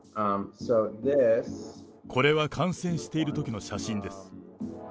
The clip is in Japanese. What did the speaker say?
これは感染しているときの写真です。